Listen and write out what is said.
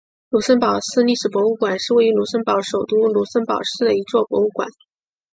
卢森堡市历史博物馆是位于卢森堡首都卢森堡市的一座博物馆。